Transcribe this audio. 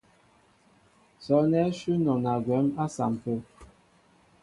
Sɔ́' ánɛ́ shʉ́ nɔna gwɛ̌m á saḿpə.